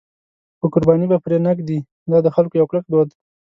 خو قرباني به پرې نه ږدي، دا د خلکو یو کلک دود دی.